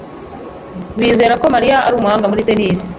Bizera ko Mariya ari umuhanga muri tennis.